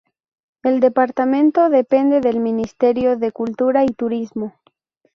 El departamento depende del Ministerio de Cultura y Turismo.